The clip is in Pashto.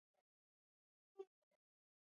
ځمکنی شکل د افغانستان د انرژۍ سکتور برخه ده.